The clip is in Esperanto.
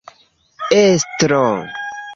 estro